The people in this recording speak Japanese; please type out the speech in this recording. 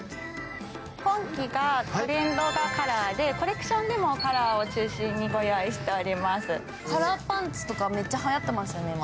今季がトレンドがカラーで、コレクションでもカラーを中心にご用意しております。